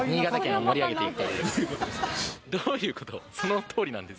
どういうことです？